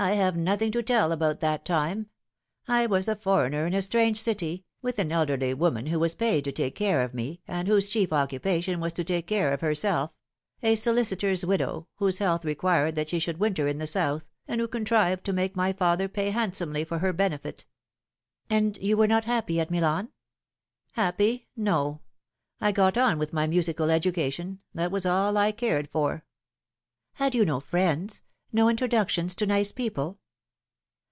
1 have nothing to tell about that time. I was a foreigner in a strange city, with an elderly woman who was paid to take care of me, and whose chief occupation was to take care of her self : a solicitor's widow, whose health required that she should winter in the South, and who contrived to make my father pay handsomely for her benefit." " And you were not happy at Milan ?"" Happy ! no. I got on with my musical education that was all I cared for." " Had you no friends no introductions to nice people?"